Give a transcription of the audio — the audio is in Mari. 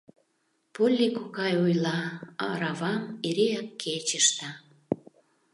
Полли кокай ойла, аравам эреак кече ышта!